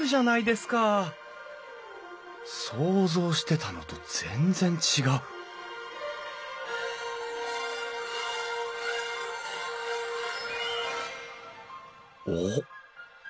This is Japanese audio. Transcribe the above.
想像してたのと全然違うおっ！